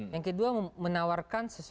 yang kedua menawarkan